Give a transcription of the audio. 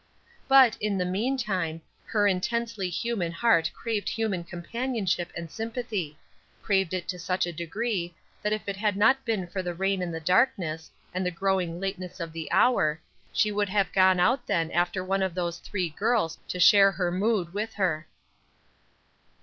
But, in the meantime, her intensely human heart craved human companionship and sympathy; craved it to such a degree, that if it had not been for the rain and the darkness, and the growing lateness of the hour, she would have gone out then after one of those three girls to share her mood with her.